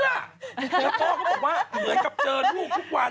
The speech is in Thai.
พ่อเขาบอกว่าเหนือกับเจอนูกทุกวัน